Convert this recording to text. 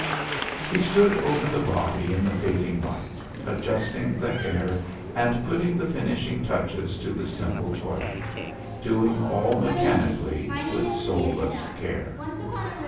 He stood over the body in the fading light, adjusting the hair and putting the finishing touches to the simple toilet, doing all mechanically, with soulless care.